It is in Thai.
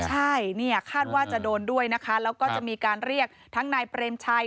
ใช่เนี่ยคาดว่าจะโดนด้วยนะคะแล้วก็จะมีการเรียกทั้งนายเปรมชัย